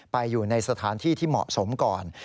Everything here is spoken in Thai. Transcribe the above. ไปอยู่ในสถานที่ที่เหมาะสมก่อน